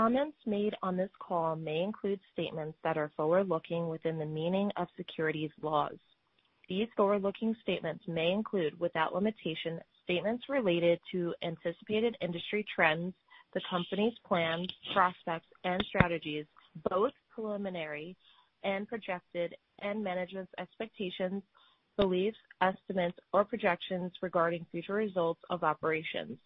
Comments made on this call may include statements that are forward-looking within the meaning of securities laws. These forward-looking statements may include, without limitation, statements related to anticipated industry trends, the company's plans, prospects and strategies, both preliminary and projected, and management's expectations, beliefs, estimates, or projections regarding future results of operations.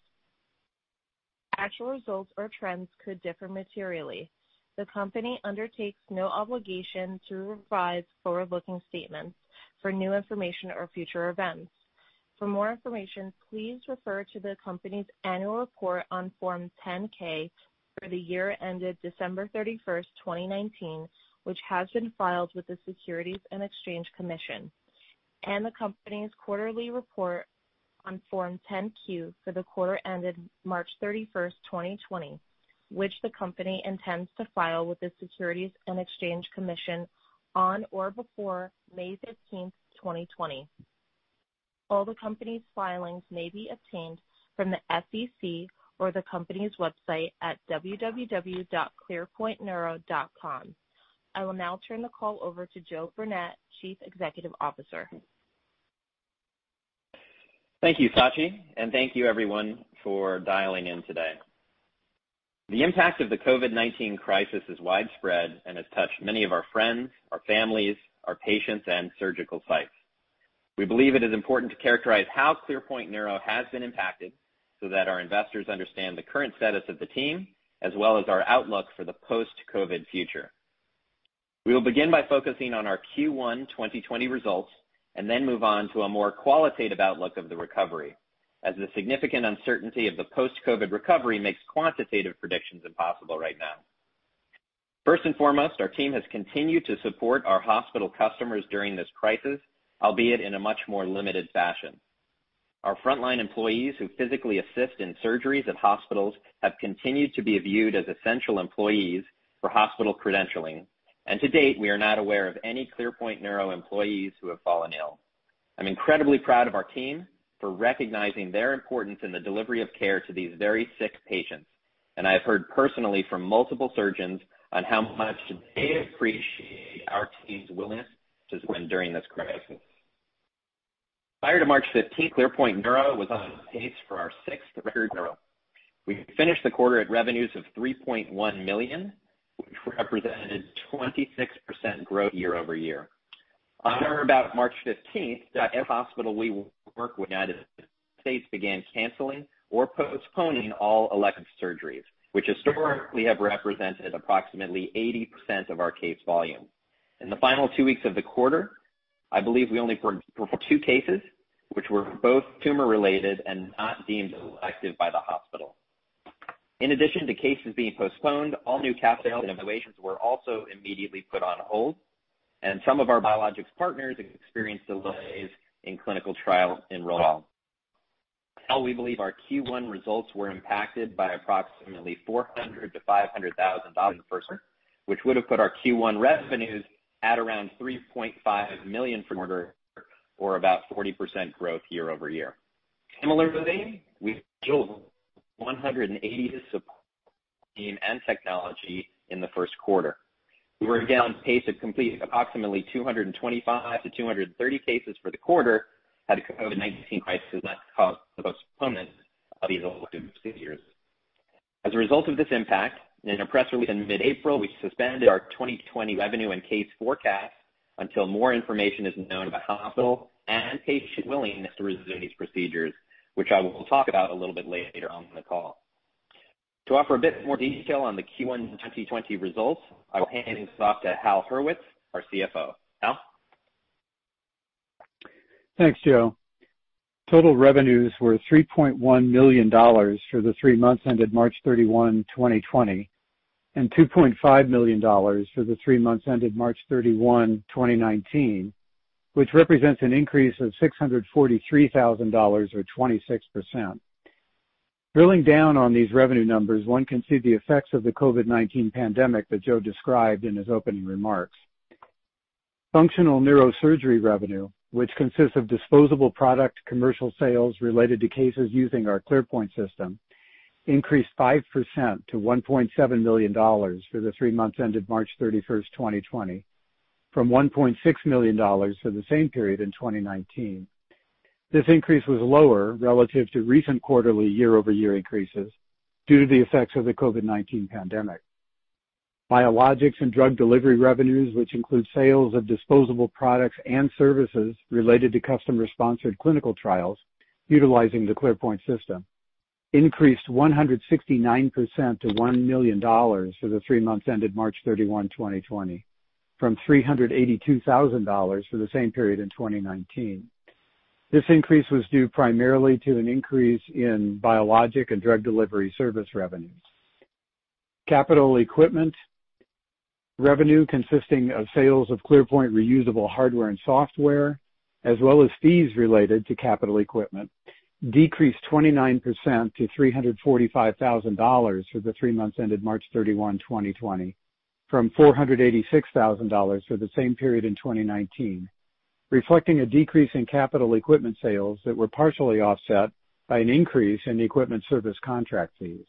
Actual results or trends could differ materially. The company undertakes no obligation to revise forward-looking statements for new information or future events. For more information, please refer to the company's annual report on Form 10-K for the year ended December 31st, 2019, which has been filed with the Securities and Exchange Commission, and the company's quarterly report on Form 10-Q for the quarter ended March 31st, 2020, which the company intends to file with the Securities and Exchange Commission on or before May 15th, 2020. All the company's filings may be obtained from the SEC or the company's website at www.clearpointneuro.com. I will now turn the call over to Joe Burnett, Chief Executive Officer. Thank you, Sachi, thank you everyone for dialing in today. The impact of the COVID-19 crisis is widespread and has touched many of our friends, our families, our patients, and surgical sites. We believe it is important to characterize how ClearPoint Neuro has been impacted so that our investors understand the current status of the team, as well as our outlook for the post-COVID future. We will begin by focusing on our Q1 2020 results and then move on to a more qualitative outlook of the recovery, as the significant uncertainty of the post-COVID recovery makes quantitative predictions impossible right now. First and foremost, our team has continued to support our hospital customers during this crisis, albeit in a much more limited fashion. Our frontline employees who physically assist in surgeries at hospitals have continued to be viewed as essential employees for hospital credentialing. To date, we are not aware of any ClearPoint Neuro employees who have fallen ill. I'm incredibly proud of our team for recognizing their importance in the delivery of care to these very sick patients, and I have heard personally from multiple surgeons on how much they appreciate our team's willingness to win during this crisis. Prior to March 15th, ClearPoint Neuro was on pace for our sixth record neuro. We finished the quarter at revenues of $3.1 million, which represented 26% growth year-over-year. On or about March 15th, the hospital we work with in the U.S. began canceling or postponing all elective surgeries, which historically have represented approximately 80% of our case volume. In the final two weeks of the quarter, I believe we only performed two cases, which were both tumor related and not deemed elective by the hospital. We believe our Q1 results were impacted by approximately $400,000-$500,000 per quarter, which would have put our Q1 revenues at around $3.5 million for the quarter or about 40% growth year-over-year. Similarly, we built 180 to support team and technology in the first quarter. We were down pace of completing approximately 225-230 cases for the quarter had the COVID-19 crisis not caused the postponement of these elective procedures. As a result of this impact, in a press release in mid-April, we suspended our 2020 revenue and case forecast until more information is known about hospital and patient willingness to resume these procedures, which I will talk about a little bit later on in the call. To offer a bit more detail on the Q1 2020 results, I will hand this off to Hal Hurwitz, our CFO. Hal? Thanks, Joe. Total revenues were $3.1 million for the three months ended March 31, 2020, and $2.5 million for the three months ended March 31, 2019, which represents an increase of $643,000 or 26%. Drilling down on these revenue numbers, one can see the effects of the COVID-19 pandemic that Joe described in his opening remarks. Functional neurosurgery revenue, which consists of disposable product commercial sales related to cases using our ClearPoint System, increased 5% to $1.7 million for the three months ended March 31st, 2020, from $1.6 million for the same period in 2019. This increase was lower relative to recent quarterly year-over-year increases due to the effects of the COVID-19 pandemic. Biologics and drug delivery revenues, which include sales of disposable products and services related to customer sponsored clinical trials utilizing the ClearPoint System, increased 169% to $1 million for the three months ended March 31, 2020, from $382,000 for the same period in 2019. This increase was due primarily to an increase in biologics and drug delivery service revenues. Capital equipment revenue, consisting of sales of ClearPoint reusable hardware and software, as well as fees related to capital equipment, decreased 29% to $345,000 for the three months ended March 31, 2020, from $486,000 for the same period in 2019, reflecting a decrease in capital equipment sales that were partially offset by an increase in equipment service contract fees.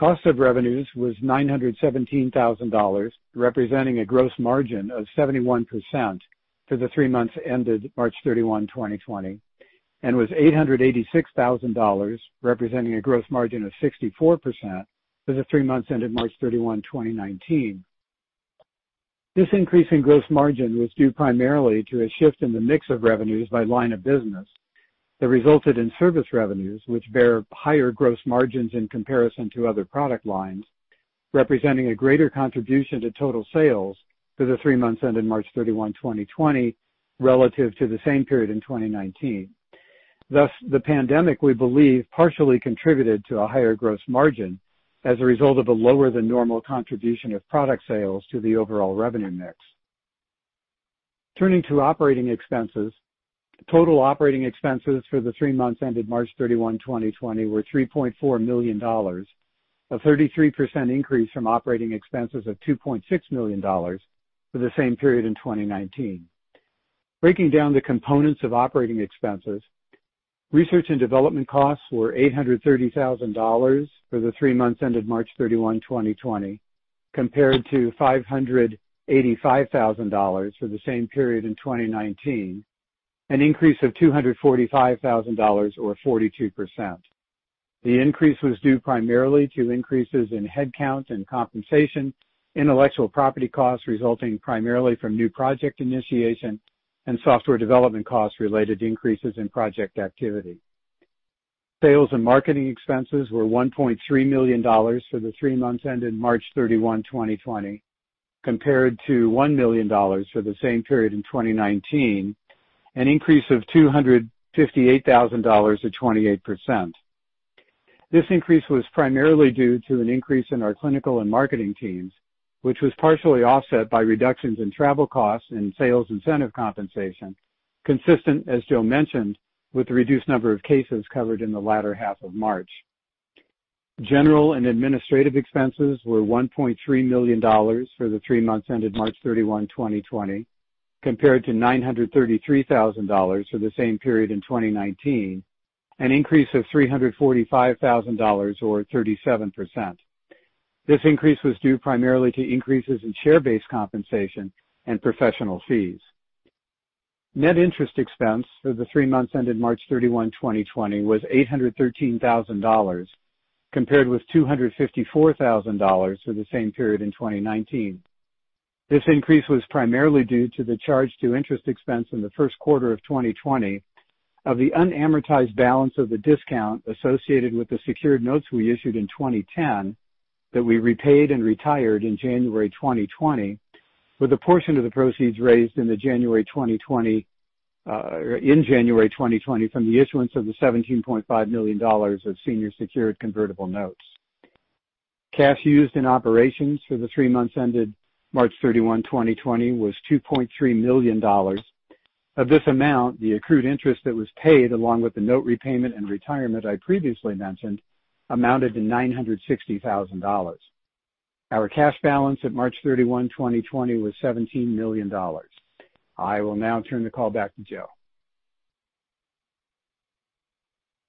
Cost of revenues was $917,000, representing a gross margin of 71% for the three months ended March 31, 2020, and was $886,000, representing a gross margin of 64% for the three months ended March 31, 2019. This increase in gross margin was due primarily to a shift in the mix of revenues by line of business that resulted in service revenues, which bear higher gross margins in comparison to other product lines, representing a greater contribution to total sales for the three months ended March 31, 2020, relative to the same period in 2019. The pandemic, we believe, partially contributed to a higher gross margin as a result of a lower than normal contribution of product sales to the overall revenue mix. Turning to operating expenses. Total operating expenses for the three months ended March 31, 2020, were $3.4 million, a 33% increase from operating expenses of $2.6 million for the same period in 2019. Breaking down the components of operating expenses, research and development costs were $830,000 for the three months ended March 31, 2020, compared to $585,000 for the same period in 2019, an increase of $245,000 or 42%. The increase was due primarily to increases in headcount and compensation, intellectual property costs resulting primarily from new project initiation, and software development costs related to increases in project activity. Sales and marketing expenses were $1.3 million for the three months ended March 31, 2020, compared to $1 million for the same period in 2019, an increase of $258,000 or 28%. This increase was primarily due to an increase in our clinical and marketing teams, which was partially offset by reductions in travel costs and sales incentive compensation, consistent, as Joe mentioned, with the reduced number of cases covered in the latter half of March. General and administrative expenses were $1.3 million for the three months ended March 31, 2020, compared to $933,000 for the same period in 2019, an increase of $345,000 or 37%. This increase was due primarily to increases in share-based compensation and professional fees. Net interest expense for the three months ended March 31, 2020, was $813,000, compared with $254,000 for the same period in 2019. This increase was primarily due to the charge to interest expense in the first quarter of 2020 of the unamortized balance of the discount associated with the secured notes we issued in 2010 that we repaid and retired in January 2020, with a portion of the proceeds raised in January 2020 from the issuance of the $17.5 million of senior secured convertible notes. Cash used in operations for the three months ended March 31, 2020, was $2.3 million. Of this amount, the accrued interest that was paid along with the note repayment and retirement I previously mentioned amounted to $960,000. Our cash balance at March 31, 2020, was $17 million. I will now turn the call back to Joe.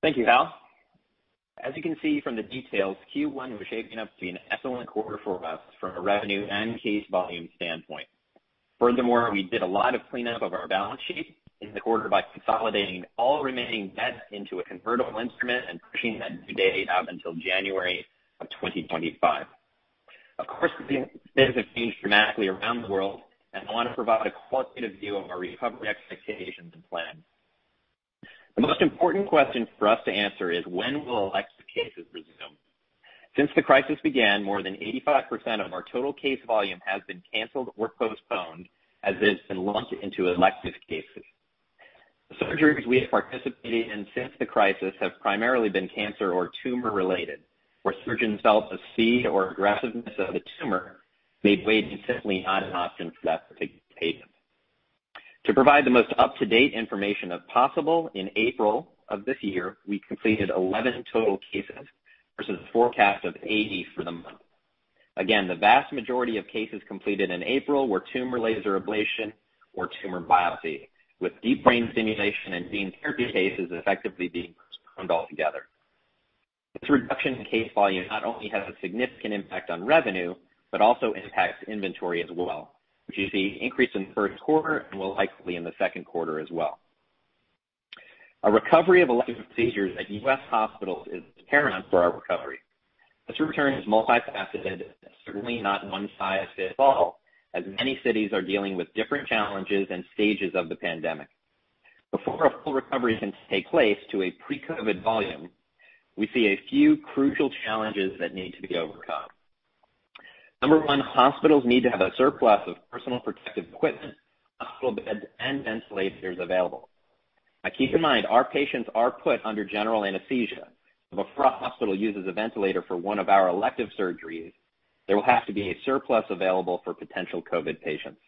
Thank you, Hal. As you can see from the details, Q1 was shaping up to be an excellent quarter for us from a revenue and case volume standpoint. We did a lot of cleanup of our balance sheet in the quarter by consolidating all remaining debt into a convertible instrument and pushing that due date out until January of 2025. Things have changed dramatically around the world, and I want to provide a quantitative view of our recovery expectations and plans. The most important question for us to answer is when will elective cases resume? Since the crisis began, more than 85% of our total case volume has been canceled or postponed as it has been lumped into elective cases. The surgeries we have participated in since the crisis have primarily been cancer or tumor-related, where surgeons felt the speed or aggressiveness of the tumor made wait simply not an option for that particular patient. To provide the most up-to-date information as possible, in April of this year, we completed 11 total cases, versus a forecast of 80 for the month. Again, the vast majority of cases completed in April were tumor laser ablation or tumor biopsy, with deep brain stimulation and gene therapy cases effectively being postponed altogether. This reduction in case volume not only has a significant impact on revenue, but also impacts inventory as well, which you see an increase in the first quarter and will likely in the second quarter as well. A recovery of elective procedures at U.S. hospitals is paramount for our recovery. This return is multifaceted and certainly not one size fits all, as many cities are dealing with different challenges and stages of the pandemic. Before a full recovery can take place to a pre-COVID volume, we see a few crucial challenges that need to be overcome. Number one, hospitals need to have a surplus of personal protective equipment, hospital beds, and ventilators available. Now, keep in mind, our patients are put under general anesthesia. Before a hospital uses a ventilator for one of our elective surgeries, there will have to be a surplus available for potential COVID patients.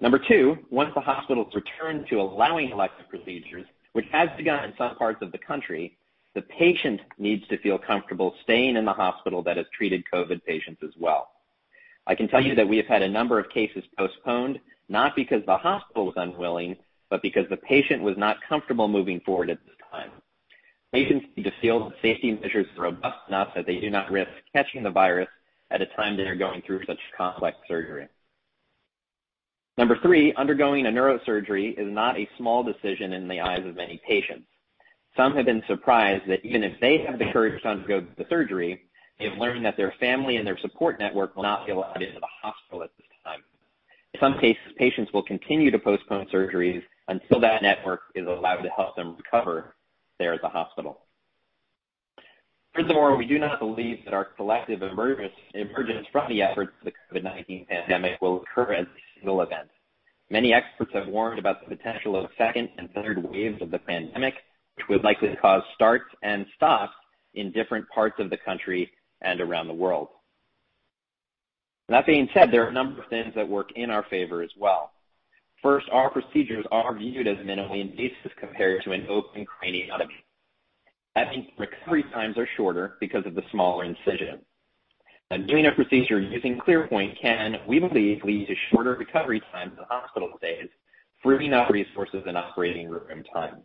Number two, once the hospitals return to allowing elective procedures, which has begun in some parts of the country. The patient needs to feel comfortable staying in the hospital that has treated COVID patients as well. I can tell you that we have had a number of cases postponed, not because the hospital was unwilling, but because the patient was not comfortable moving forward at this time. Patients need to feel that safety measures are robust enough that they do not risk catching the virus at a time they are going through such complex surgery. Number three, undergoing a neurosurgery is not a small decision in the eyes of many patients. Some have been surprised that even if they have the courage to undergo the surgery, they have learned that their family and their support network will not be allowed into the hospital at this time. In some cases, patients will continue to postpone surgeries until that network is allowed to help them recover there at the hospital. Furthermore, we do not believe that our collective emergence from the efforts of the COVID-19 pandemic will occur as a single event. Many experts have warned about the potential of second and third waves of the pandemic, which would likely cause starts and stops in different parts of the country and around the world. That being said, there are a number of things that work in our favor as well. First, our procedures are viewed as minimally invasive compared to an open craniotomy. That means recovery times are shorter because of the smaller incision. Doing a procedure using ClearPoint can, we believe, lead to shorter recovery times and hospital stays, freeing up resources and operating room time.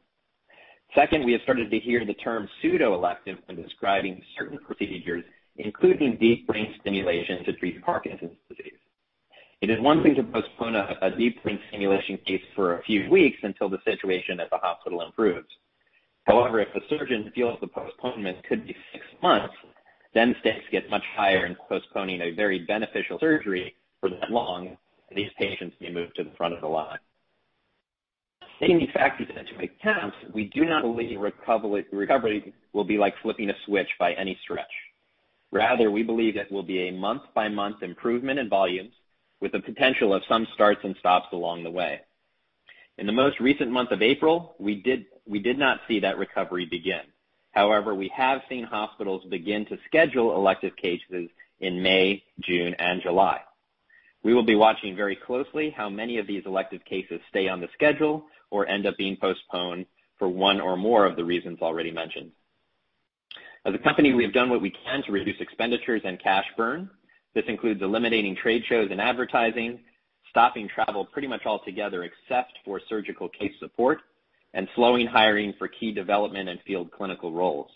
Second, we have started to hear the term pseudo-elective when describing certain procedures, including deep brain stimulation to treat Parkinson's disease. It is one thing to postpone a deep brain stimulation case for a few weeks until the situation at the hospital improves. If the surgeon feels the postponement could be six months, the stakes get much higher in postponing a very beneficial surgery for that long, these patients may move to the front of the line. Taking the factors into account, we do not believe recovery will be like flipping a switch by any stretch. We believe it will be a month-by-month improvement in volumes with the potential of some starts and stops along the way. In the most recent month of April, we did not see that recovery begin. We have seen hospitals begin to schedule elective cases in May, June, and July. We will be watching very closely how many of these elective cases stay on the schedule or end up being postponed for one or more of the reasons already mentioned. As a company, we have done what we can to reduce expenditures and cash burn. This includes eliminating trade shows and advertising, stopping travel pretty much altogether except for surgical case support, and slowing hiring for key development and field clinical roles.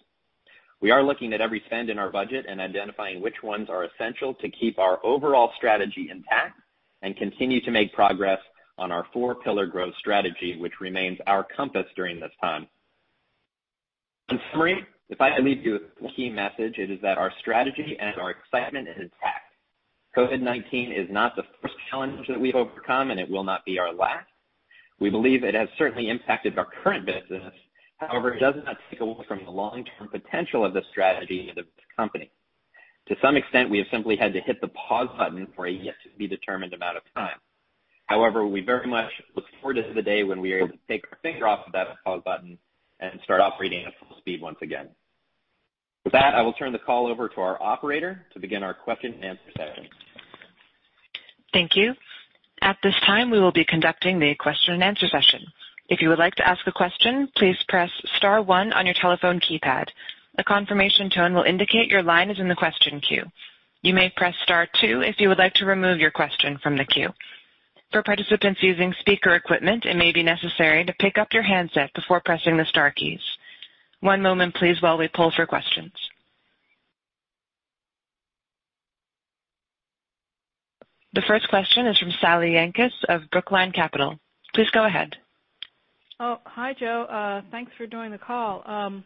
We are looking at every spend in our budget and identifying which ones are essential to keep our overall strategy intact and continue to make progress on our four-pillar growth strategy, which remains our compass during this time. In summary, if I could leave you with one key message, it is that our strategy and our excitement is intact. COVID-19 is not the first challenge that we've overcome, and it will not be our last. We believe it has certainly impacted our current business. However, it does not take away from the long-term potential of the strategy of this company. To some extent, we have simply had to hit the pause button for a yet to be determined amount of time. However, we very much look forward to the day when we are able to take our finger off of that pause button and start operating at full speed once again. With that, I will turn the call over to our operator to begin our question and answer session. Thank you. At this time, we will be conducting the question and answer session. If you would like to ask a question, please press star one on your telephone keypad. A confirmation tone will indicate your line is in the question queue. You may press star two if you would like to remove your question from the queue. For participants using speaker equipment, it may be necessary to pick up your handset before pressing the star keys. One moment please while we pull for questions. The first question is from Sally Yanchus of Brookline Capital. Please go ahead. Oh, hi, Joe. Thanks for doing the call. I'm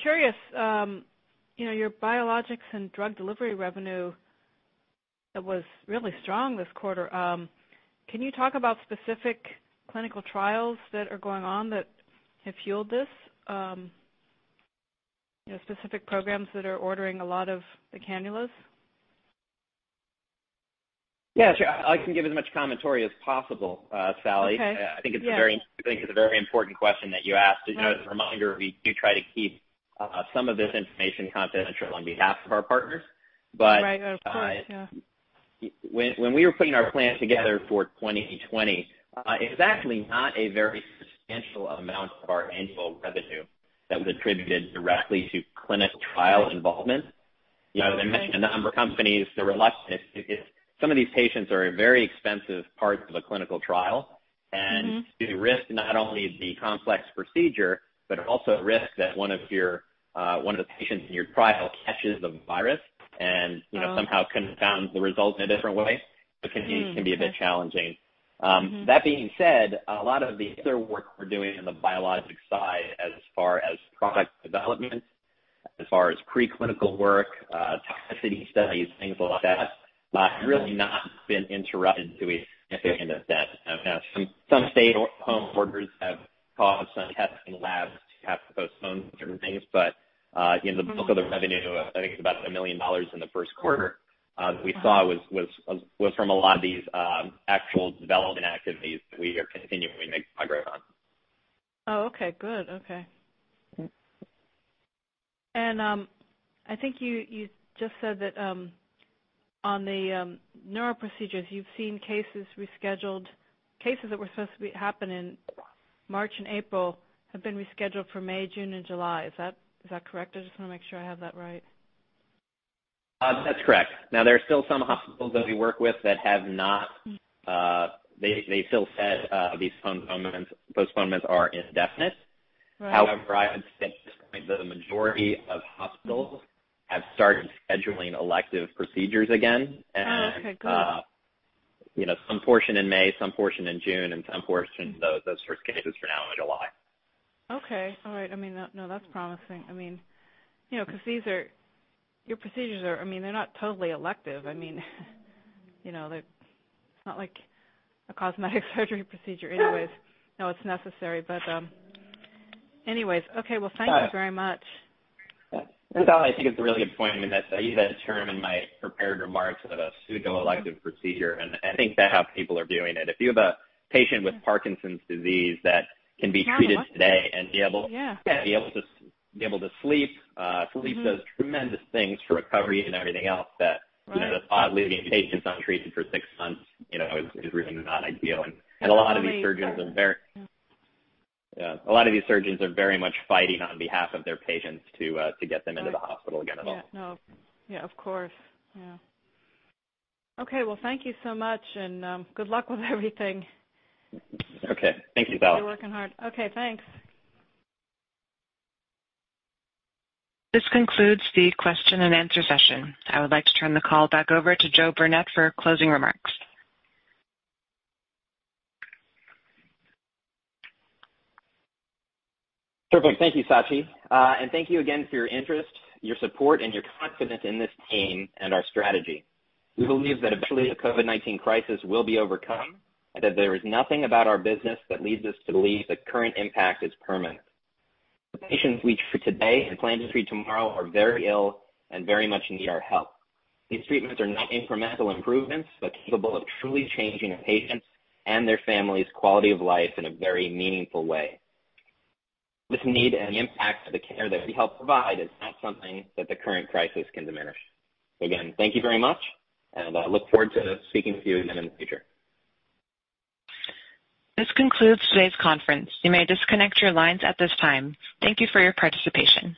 curious, your biologics and drug delivery revenue was really strong this quarter. Can you talk about specific clinical trials that are going on that have fueled this? Specific programs that are ordering a lot of the cannulas. Sure. I can give as much commentary as possible, Sally. Okay. Yeah. I think it's a very important question that you asked. As a reminder, we do try to keep some of this information confidential on behalf of our partners. Right. Of course, yeah. When we were putting our plans together for 2020, it was actually not a very substantial amount of our annual revenue that was attributed directly to clinical trial involvement. Okay. A number of companies, they're reluctant. Some of these patients are a very expensive part of a clinical trial. To risk not only the complex procedure, but also risk that one of the patients in your trial catches the virus. Somehow confounds the result in a different way, it can be a bit challenging. That being said, a lot of the other work we're doing in the biologics side as far as product development, as far as preclinical work, toxicity studies, things like that, have really not been interrupted to a significant extent. Some stay-at-home orders have caused some testing labs to have to postpone certain things. The bulk of the revenue, I think it's about $1 million in the first quarter that we saw was from a lot of these actual development activities that we are continuing to make progress on. Oh, okay. Good. Okay. I think you just said that on the neuro procedures, you've seen cases that were supposed to happen in March and April have been rescheduled for May, June, and July. Is that correct? I just want to make sure I have that right. That's correct. There are still some hospitals that we work with. They still said these postponements are indefinite. Right. I would say at this point, the majority of hospitals have started scheduling elective procedures again. Oh, okay. Good. Some portion in May, some portion in June, and some portion, those first cases are now in July. Okay. All right. No, that's promising. Your procedures, they're not totally elective. It's not like a cosmetic surgery procedure. Anyways, no, it's necessary. Anyways. Okay. Well, thank you very much. Yeah. Sally, I think it's a really good point. I mean, I use that term in my prepared remarks of a pseudo-elective procedure. I think that how people are viewing it. If you have a patient with Parkinson's disease that can be treated today and to be able to sleep. Sleep does tremendous things for recovery and everything else that. Right. The thought of leaving patients untreated for six months is really not ideal. A lot of these surgeons are very much fighting on behalf of their patients to get them into the hospital again at all. Yeah. No. Yeah, of course. Yeah. Okay. Well, thank you so much, and good luck with everything. Okay. Thank you, Sally. You're working hard. Okay, thanks. This concludes the question and answer session. I would like to turn the call back over to Joe Burnett for closing remarks. Perfect. Thank you, Sachi. Thank you again for your interest, your support, and your confidence in this team and our strategy. We believe that eventually the COVID-19 crisis will be overcome, and that there is nothing about our business that leads us to believe the current impact is permanent. The patients we treat today and plan to treat tomorrow are very ill and very much need our help. These treatments are not incremental improvements, but capable of truly changing a patient's and their family's quality of life in a very meaningful way. This need and the impact of the care that we help provide is not something that the current crisis can diminish. Again, thank you very much, and I look forward to speaking with you again in the future. This concludes today's conference. You may disconnect your lines at this time. Thank you for your participation.